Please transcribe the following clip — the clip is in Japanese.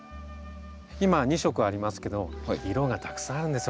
今２色ありますけど色がたくさんあるんですよ